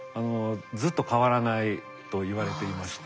ずっと変わらないといわれていまして。